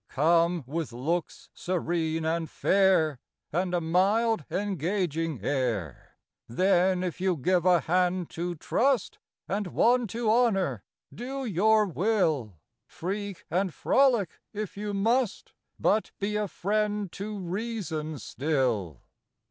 Come, with looks serene and fair, And a mild engaging air : Then, if you give a hand to Trust, And one to Honor, do your will ; Freak and frolic if you must, But be a friend to Reason still.